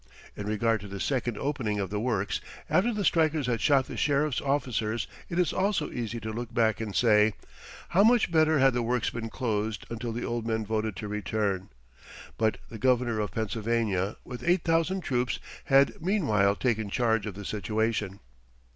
In regard to the second opening of the works, after the strikers had shot the sheriff's officers, it is also easy to look back and say, "How much better had the works been closed until the old men voted to return"; but the Governor of Pennsylvania, with eight thousand troops, had meanwhile taken charge of the situation.